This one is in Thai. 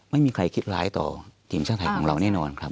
ไม่มีใครคิดร้ายต่อทีมชาติไทยของเราแน่นอนครับ